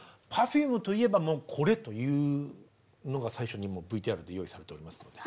「Ｐｅｒｆｕｍｅといえばもうこれ」というのが最初にもうＶＴＲで用意されておりますので。